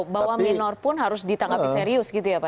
bahwa minor pun harus ditanggapi serius gitu ya pak